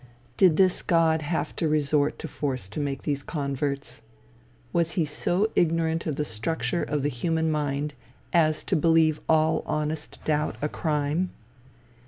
Did this God have to resort to force to make converts? Was he so ignorant of the structure of the human mind as to believe all honest doubt a crime?